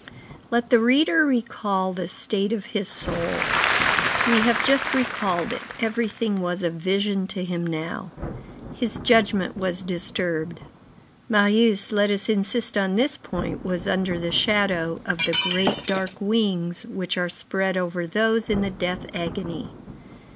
Let the reader recall the state of his soul. We have just recalled it, everything was a vision to him now. His judgment was disturbed. Marius, let us insist on this point, was under the shadow of the great, dark wings which are spread over those in the death agony.